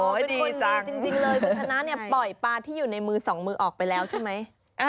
เป็นคนดีจริงเลยคุณชนะเนี่ยปล่อยปลาที่อยู่ในมือสองมือออกไปแล้วใช่ไหม